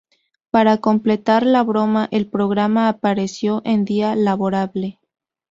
Para completar la broma, el programa apareció un día laborable.